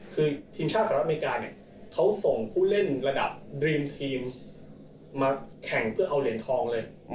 คือทีมชาติสหรัฐอเมริกาเนี่ยเขาส่งผู้เล่นระดับดรีมทีมมาแข่งเพื่อเอาเหรียญทองเลย